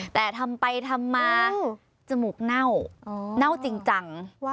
แต่ทำไปทำมาจมูกเน่าเน่าจริงจัง